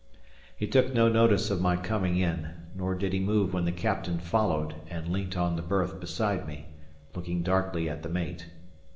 He took no notice of my coming in; nor did he move when the captain followed and leant on the berth beside me, looking darkly at the mate.